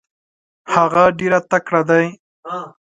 هغه ډېر تکړه دی.